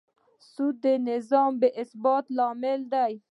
سود د نظام بېثباتي لامل دی.